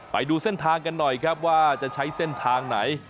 ไปดูเส้นทางกันหน่อยครับว่าจะใช้เส้นทางไหน